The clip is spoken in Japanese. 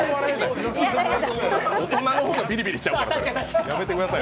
大人の方がビリビリしちゃうから、やめてください。